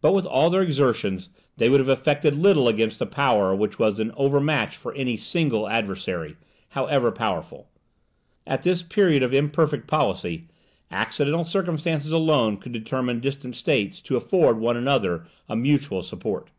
But, with all their exertions, they would have effected little against a power which was an overmatch for any single adversary, however powerful. At this period of imperfect policy, accidental circumstances alone could determine distant states to afford one another a mutual support.